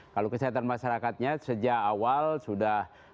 kalau kesehatan masyarakatnya sejak awal sudah